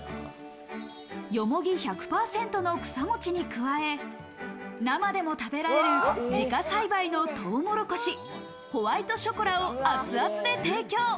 よもぎ１００％の草餅に加え、生でも食べられる自家栽培のトウモロコシ、ホワイトショコラを熱々で提供。